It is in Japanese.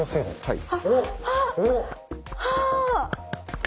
はい。